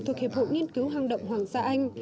thuộc hiệp hội nghiên cứu hang động hoàng gia anh